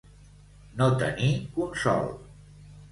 No tenir consol.